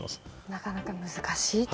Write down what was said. なかなか難しいと。